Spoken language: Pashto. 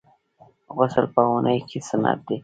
غسل په اونۍ کي سنت دی.